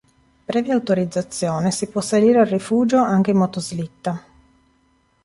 Previa autorizzazione, si può salire al rifugio anche in motoslitta.